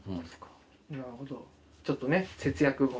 ちょっとね節約も。